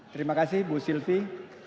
terima kasih bu sylvie